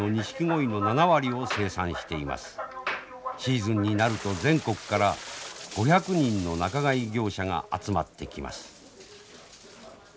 シーズンになると全国から５００人の仲買業者が集まってきます。